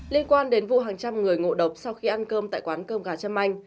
liên quan đến vụ hàng trăm người ngộ độc sau khi ăn cơm tại quán cơm gà chân manh